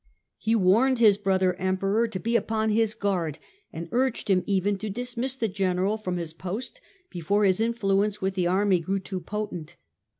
He warned his brother Emperor to be upon his guard, and urged him even to dismiss the general from his post before his influence with the army grew too potent.